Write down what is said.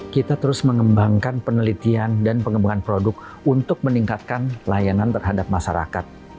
kita terus mengembangkan penelitian dan pengembangan produk untuk meningkatkan layanan terhadap masyarakat